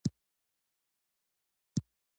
جګړو کې نیول شوي اسیران وو.